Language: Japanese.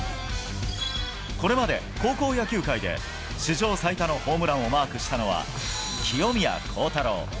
これまで高校野球界で史上最多のホームランをマークしたのは清宮幸太郎。